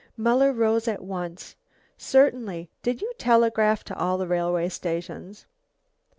Muller rose at once. "Certainly. Did you telegraph to all the railway stations?"